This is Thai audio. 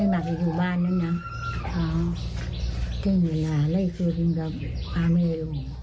เพราะมันไม่มาถึงอยู่บ้านนั้นนะเต็มเวลาไล่คืนกับอาเมย์